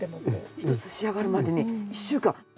１つ仕上がるまでに１週間！